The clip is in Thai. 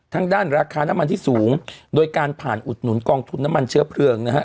ทั้งด้านราคาน้ำมันที่สูงโดยการผ่านอุดหนุนกองทุนน้ำมันเชื้อเพลิงนะฮะ